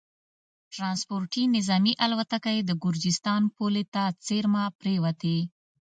ټرانسپورټي نظامي الوتکه یې د ګرجستان پولې ته څېرمه پرېوتې